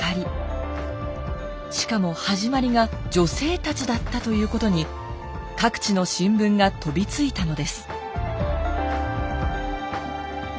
しかも始まりが女性たちだったということに各地の新聞が飛びついたのです。